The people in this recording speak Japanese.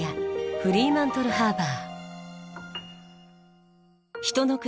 フリーマントルハーバー。